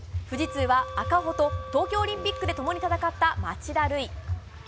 富士通は赤穂と東京オリンピックでともに戦った町田瑠唯。